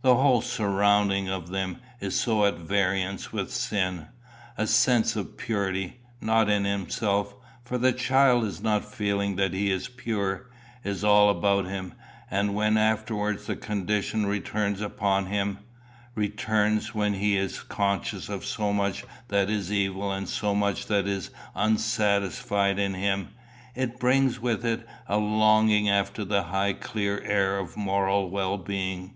The whole surrounding of them is so at variance with sin! A sense of purity, not in himself, for the child is not feeling that he is pure, is all about him; and when afterwards the condition returns upon him, returns when he is conscious of so much that is evil and so much that is unsatisfied in him, it brings with it a longing after the high clear air of moral well being."